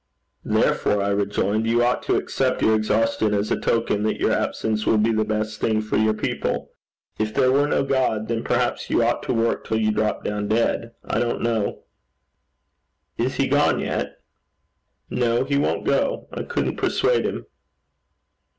"Therefore," I rejoined, "you ought to accept your exhaustion as a token that your absence will be the best thing for your people. If there were no God, then perhaps you ought to work till you drop down dead I don't know."' 'Is he gone yet?' 'No. He won't go. I couldn't persuade him.'